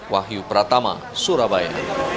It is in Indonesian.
wahyu pratama surabaya